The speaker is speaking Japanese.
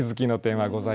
はい。